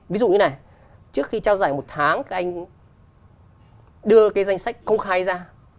ví dụ như này trước khi trao giải một tháng các anh đưa cái danh sách công khai ra